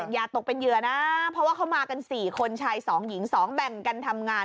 อย่าตกเป็นเหยื่อนะเพราะว่าเขามากัน๔คนชาย๒หญิง๒แบ่งกันทำงาน